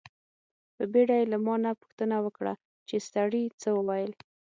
په بیړه یې له ما نه پوښتنه وکړه چې سړي څه و ویل.